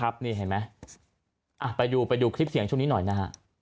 ไปดูคลิปเสียงช่วงนี้หน่อยนะ